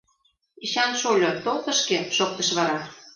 — Эчан шольо, тол тышке, — шоктыш вара.